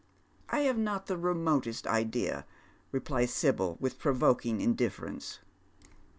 " I have not the remotest idea," replies Sibyl, with provoking indifference.